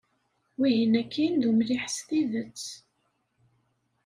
Wihin akkin d umliḥ s tidet.